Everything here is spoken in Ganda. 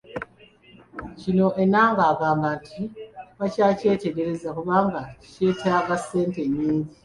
Kino Enanga agamba nti bakyakyetegereza kubanga kyetaaga ssente nnyingi.